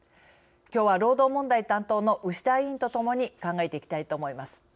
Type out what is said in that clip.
きょうは労働問題担当の牛田委員とともに考えていきたいと思います。